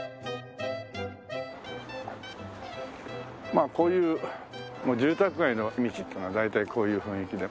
まあこういう住宅街の道っていうのは大体こういう雰囲気で。